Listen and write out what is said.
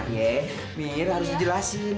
ya mir harus dijelasin